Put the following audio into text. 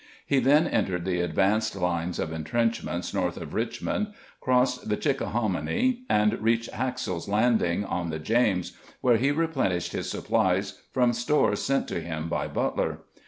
He then entered the advanced lines of intrenchments north of Richmond, crossed the Chickahominy, and reached HaxaU's Landing, on the James, where he re plenished his supplies from stores sent to him by Butler.